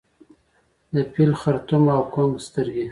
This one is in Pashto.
د فیل خړتوم او کونګ سترګي